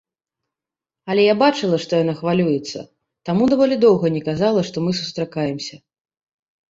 Але я бачыла, што яна хвалюецца, таму даволі доўга не казала, што мы сустракаемся.